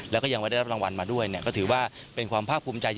แล้วก็ยังไม่ได้รับรางวัลมาด้วยก็ถือว่าเป็นความภาคภูมิใจ